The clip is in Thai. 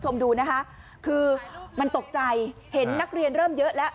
มันตกใจเห็นนักเรียนเริ่มเยอะแล้ว